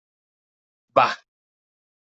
Bah!